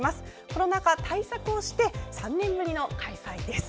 コロナ禍、対策をして３年ぶりの開催です。